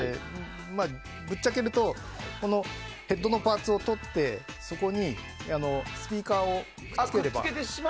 ぶっちゃけるとこのヘッドのパーツを取ってそこにスピーカーをくっ付ければ。